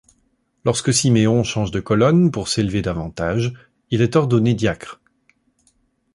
Lorsque Siméon change de colonne pour s'élever davantage, il est ordonné diacre.